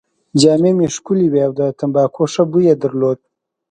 جامې يې ښکلې وې او د تمباکو ښه بوی يې درلود.